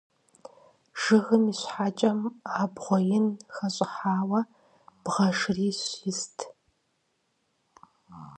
Жыгым и щхьэкӏэм абгъуэ ин хэщӏыхьауэ бгъэ шырищ ист.